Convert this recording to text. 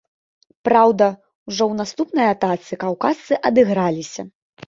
Праўда, ужо ў наступнай атацы каўказцы адыграліся.